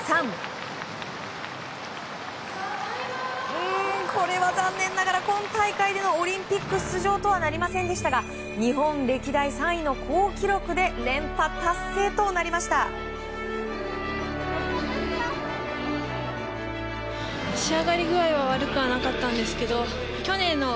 うーん、これは残念ながら今大会でのオリンピック出場とはなりませんでしたが日本歴代３位の好記録で連覇達成となりました。